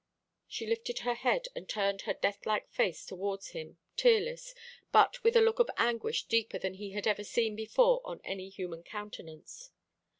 She lifted her head, and turned her deathlike face towards him, tearless, but with a look of anguish deeper than he had ever seen before on any human countenance.